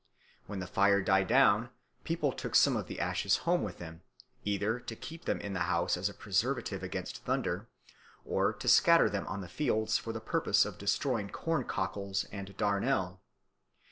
When the fire died down people took some of the ashes home with them, either to keep them in the house as a preservative against thunder or to scatter them on the fields for the purpose of destroying corn cockles and darnel.